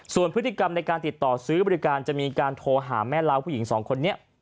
ส่วนพฤติกรรมในการติดต่อซื้อบริการจะมีการโทรหาแม่เล้าผู้หญิงสองคนนี้